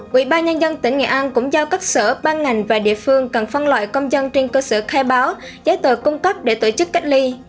quỹ ba nhân dân tỉnh nghệ an cũng giao các sở ban ngành và địa phương cần phân loại công dân trên cơ sở khai báo giấy tờ cung cấp để tổ chức cách ly